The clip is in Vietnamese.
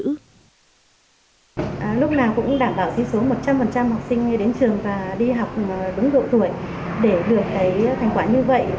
lúc nào cũng đảm bảo thi số một trăm linh học sinh đi đến trường và đi học đúng độ tuổi để được thấy thành quả như vậy